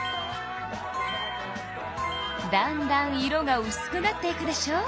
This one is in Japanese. だんだん色がうすくなっていくでしょ？